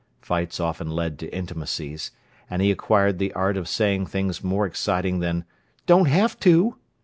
Fights often led to intimacies, and he acquired the art of saying things more exciting than "Don't haf to!"